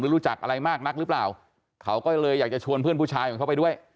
รู้จักอะไรมากนักหรือเปล่าเขาก็เลยอยากจะชวนเพื่อนผู้ชายของเขาไปด้วย